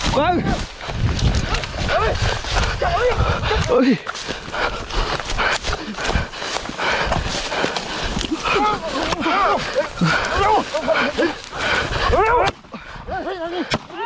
เบิ่ง